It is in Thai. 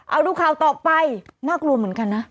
เอาดูข่าวต่อไปน่ากลัวเหมือนกันนะ